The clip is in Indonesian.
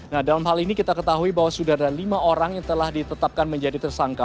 nah dalam hal ini kita ketahui bahwa sudah ada lima orang yang telah ditetapkan menjadi tersangka